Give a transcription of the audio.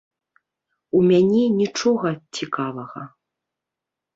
У мяне нічога цікавага.